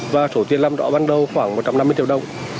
và số tiền làm rõ ban đầu khoảng một trăm năm mươi triệu đồng